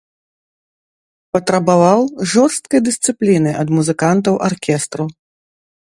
Патрабаваў жорсткай дысцыпліны ад музыкантаў аркестру.